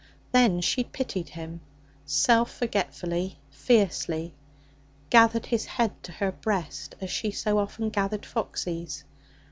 Then she had pitied him self forgetfully, fiercely gathered his head to her breast as she so often gathered Foxy's.